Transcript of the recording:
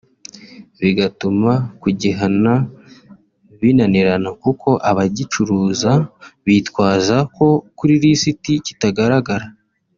bigatuma kugihana binanirana kuko abagicuruza bitwaza ko kuri lisiti kitagaragara